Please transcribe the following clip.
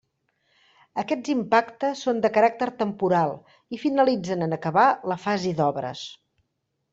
Aquests impactes són de caràcter temporal i finalitzen en acabar la fase d'obres.